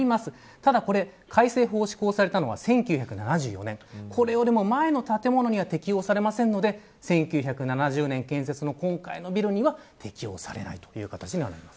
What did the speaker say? ただ改正法が施行されたのが１９７４年でこれより前の建物には適用されないので１９７０年建設の今回のビルには適用されない形になります。